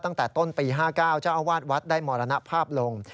ตั้งแต่ต้นปี๕๙เจ้าอาวาสวัดได้มรณภาพลง